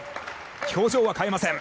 表情は変えません。